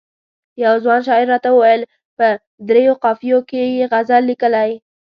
یوه ځوان شاعر راته وویل په دریو قافیو کې یې غزل لیکلی.